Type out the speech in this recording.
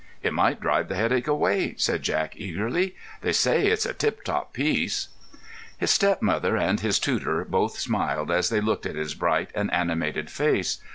"It might drive the headache away," said Jack, eagerly. "They say it's a tip top piece." His stepmother and his tutor both smiled as they looked at his bright and animated face.